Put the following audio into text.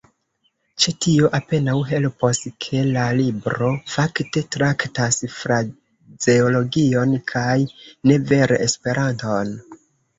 Ĉe tio apenaŭ helpos, ke la libro fakte traktas frazeologion kaj ne vere Esperanton.